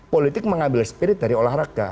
politik mengambil spirit dari olahraga